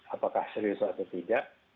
apakah serius atau tidak